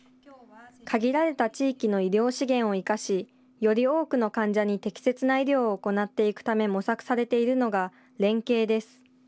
限られた地域の医療資源を生かし、より多くの患者に適切な医療を行っていくため模索されているのが、連携です。